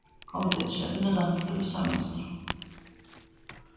კომიტეტი შეადგინა განათლების სამინისტრომ.